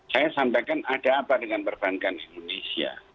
saya sampaikan ada apa dengan perbankan indonesia